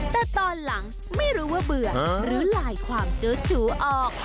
แต่ตอนหลังไม่รู้ว่าเหมือนเหลือหรือรายความสื้อสูอออก